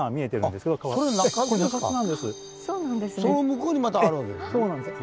そうなんです。